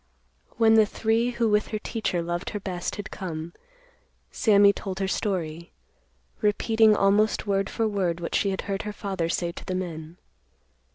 When the three, who with her teacher loved her best, had come, Sammy told her story; repeating almost word for word what she had heard her father say to the men.